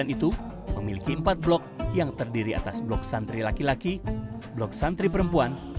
itu memiliki empat blok yang terdiri atas blok santri laki laki blok santri perempuan